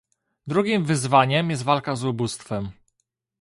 Drugim wyzwaniem jest walka z ubóstwem